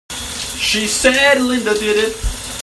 She said Linda did it!